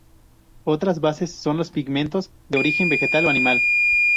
Otras bases son los pigmentos de origen vegetal o animal.